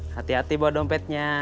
hati hati bawa dompetnya